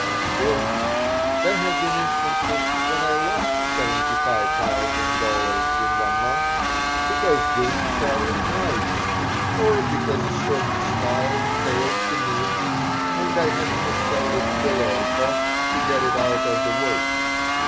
Still, there have been instances when I lost seventy five thousand dollars in one month because goods fell in price or because a certain style failed to move and I had to sell it below cost to get it out of the way.